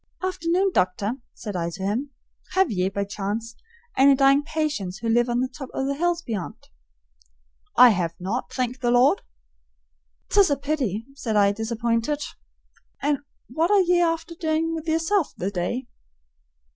"Afternoon, Doctor," said I to him. "Have ye, by chance, any dying patients who live on the top o' the hills beyant?" "I have not, thank the Lord!" "'Tis a pity," said I, disappointed. "And what are ye afther doin' with yerself the day?"